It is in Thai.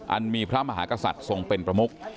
อันมีพระมหากษัตริย์ทรงเป็นประมุก